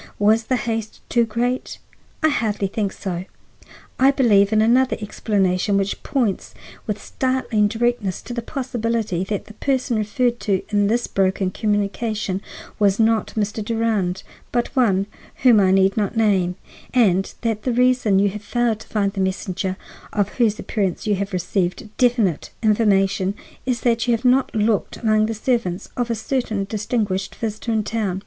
Was the haste too great? I hardly think so. I believe in another explanation, which points with startling directness to the possibility that the person referred to in this broken communication was not Mr. Durand, but one whom I need not name; and that the reason you have failed to find the messenger, of whose appearance you have received definite information, is that you have not looked among the servants of a certain distinguished visitor in town.